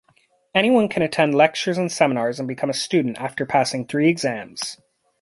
Anyone can attend lectures and seminars and become a student after passing three exams.